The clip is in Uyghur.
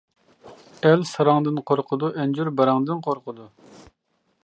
ئەل ساراڭدىن قورقىدۇ، ئەنجۈر باراڭدىن قورقىدۇ.